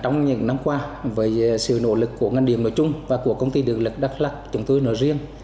ngành điện nội chung và của công ty điện lực đắk lắc chúng tôi nội riêng